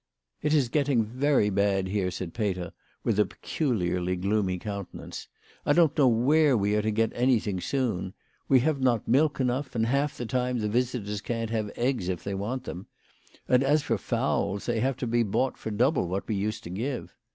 " It is getting very bad here," said Peter, with a peculiarly gloomy countenance. " I don't know where we are to get anything soon. We have not milk enough, and half the time the visitors can't have eggs if they want them. And as for fowls, they have to be bought for double what we used to give.